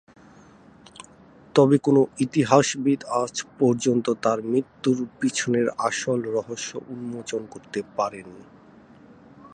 তবে কোনো ইতিহাসবিদ আজ পর্যন্ত তার মৃত্যুর পিছনের আসল রহস্য উন্মোচন করতে পারেনি।